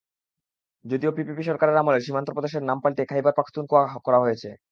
যদিও পিপিপি সরকারের আমলে সীমান্ত প্রদেশের নাম পাল্টিয়ে খাইবার পাখতুনখাওয়া করা হয়েছে।